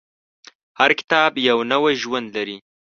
هر کتاب یو نوی ژوند لري.